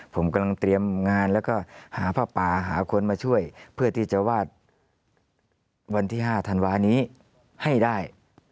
ผมกำลังเตรียมงานแล้วก็หาผ้าป่าหาคนมาช่วยเพื่อที่จะวาดวันที่๕ธันวานี้ให้ได้